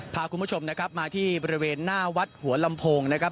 พาคุณผู้ชมนะครับมาที่บริเวณหน้าวัดหัวลำโพงนะครับ